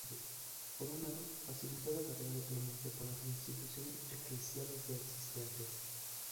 Por un lado, facilitó la tarea de Clemente con las instituciones eclesiales ya existentes.